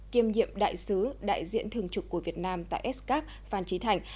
kiêm nhiệm đại sứ đại diện thường trục của việt nam tại s cap phan trí thành